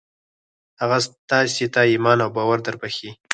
هغه تاسې ته ايمان او باور دربښي.